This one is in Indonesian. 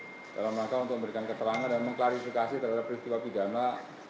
dalam rangka untuk memberikan keterangan dan mengklarifikasi terhadap peristiwa pidana